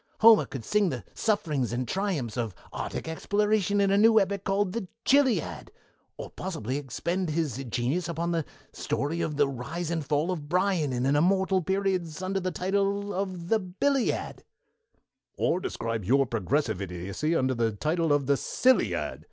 Homer could sing the sufferings and triumphs of arctic exploration in a new epic entitled 'The Chilliad', or possibly expend his genius upon the story of the rise and fall of Bryan in immortal periods under the title of 'The Billiad'" "Or describe your progressive idiocy under the title of 'The Silliad!'"